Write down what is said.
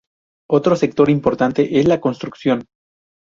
Otro sector importante es la construcción.